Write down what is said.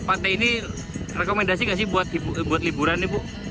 ini pantai ini rekomendasi gak sih buat liburan ibu